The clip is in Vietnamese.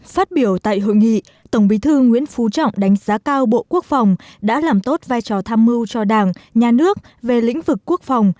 phát biểu tại hội nghị tổng bí thư nguyễn phú trọng đánh giá cao bộ quốc phòng đã làm tốt vai trò tham mưu cho đảng nhà nước về lĩnh vực quốc phòng